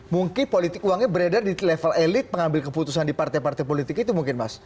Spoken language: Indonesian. mungkin politik uangnya beredar di level elit pengambil keputusan di partai partai politik itu mungkin mas